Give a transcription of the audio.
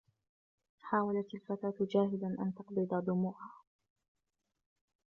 حاولت الفتاة جاهدا أن تقبض دموعها.